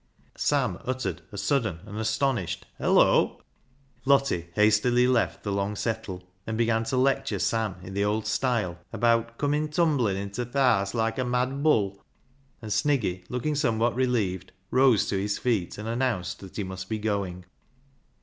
Sam uttered a sudden and astonished " Hello !" Lottie hastily left the long settle, and began to lecture Sam in the old style about "comin' tumblin' inta th' haase loike a mad bull," and Sniggy, looking somewhat relieved, rose to his feet and announced that he must be going.